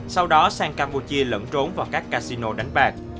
sau đó sang campuchia lẫn trốn vào các casino đánh bạc